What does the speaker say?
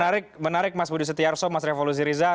baik menarik mas budi setiarso mas revolusi riza